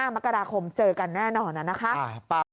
มกราคมเจอกันแน่นอนนะคะ